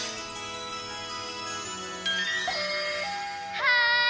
はい！